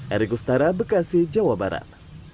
eri kustara bekasi jawa barat